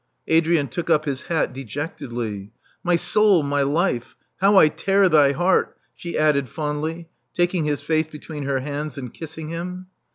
Adrian took up his hat dejectedly. My soul, my life, how I tear thy heart!" she added fondly, taking his face between her hands, and kissing him.